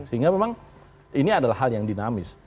sehingga memang ini adalah hal yang dinamis